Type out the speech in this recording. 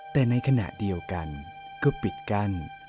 แต่ในขณะเดียวกันก็ปิดกั้น